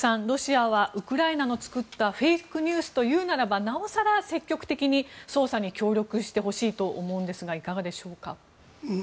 ロシアはウクライナの作ったフェイクニュースというならばなお更、積極的に捜査に協力してほしいと思うんですがいかがでしょうか。